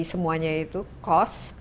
semuanya itu cost